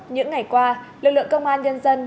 những ngày qua lực lượng công an nhân dân